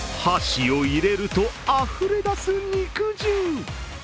箸を入れるとあふれ出す肉汁。